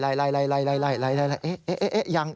เอ๊ะยัง